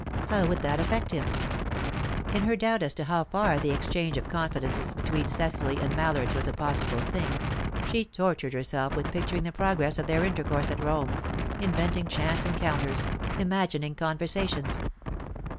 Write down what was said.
How would that affect him? In her doubt as to how far the exchange of confidences between Cecily and Mallard was a possible thing, she tortured herself with picturing the progress of their intercourse at Rome, inventing chance encounters, imagining conversations.